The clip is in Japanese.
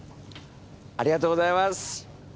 ありがとうございます。